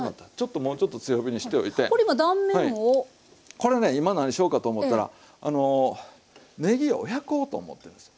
これね今何しようかと思ったらあのねぎを焼こうと思ってんですよ。